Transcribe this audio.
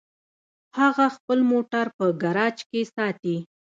هغه خپل موټر په ګراج کې ساتي